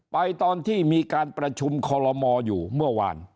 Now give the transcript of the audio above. ตอนที่มีการประชุมคอลโลมออยู่เมื่อวาน